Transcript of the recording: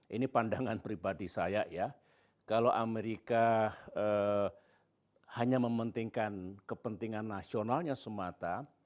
ini pandangan pribadi saya ya kalau amerika hanya mementingkan kepentingan nasionalnya semata